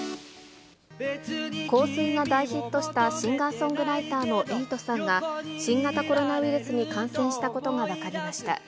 香水が大ヒットしたシンガーソングライターの瑛人さんが、新型コロナウイルスに感染したことが分かりました。